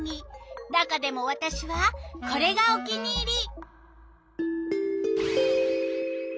中でもわたしはこれがお気に入り！